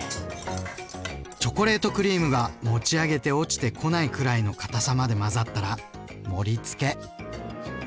チョコレートクリームが持ち上げて落ちてこないくらいのかたさまで混ざったら盛りつけ。